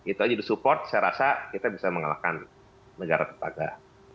itu aja disupport saya rasa kita bisa mengalahkan negara tetap agar